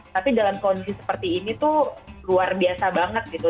tapi dalam kondisi seperti ini tuh luar biasa banget gitu